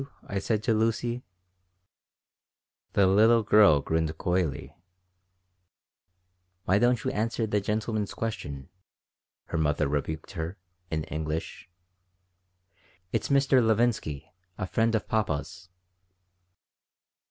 I said to Lucy The little girl grinned coyly "Why don't you answer the gentleman's question?" her mother rebuked her, in English. "It's Mr. Levinsky, a friend of papa's."